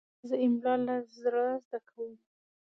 زه املا له زړه زده کوم.